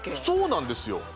そうなんですよ